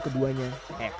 album ke dua nya x